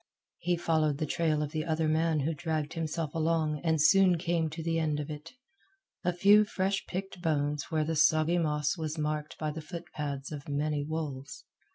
He followed the trail of the other man who dragged himself along, and soon came to the end of it a few fresh picked bones where the soggy moss was marked by the foot pads of many wolves.